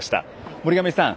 森上さん